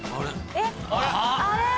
えっ！あれ？